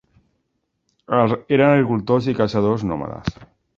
Eren agricultors i caçadors nòmades.